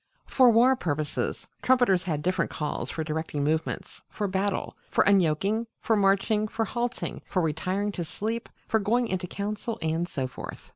For war purposes, trumpeters had different calls for directing movements for battle, for unyoking, for marching, for halting, for retiring to sleep, for going into council, and so forth.